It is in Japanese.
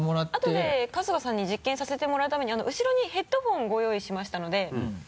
あとで春日さんに実験させてもらうためにうしろにヘッドホンご用意しましたので。